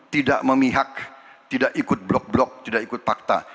tidak memihak tidak ikut blok blok tidak ikut fakta